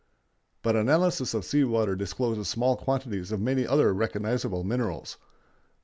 But analysis of sea water discloses small quantities of many other recognizable minerals.